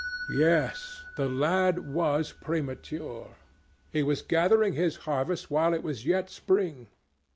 Yes, the lad was premature. He was gathering his harvest while it was yet spring.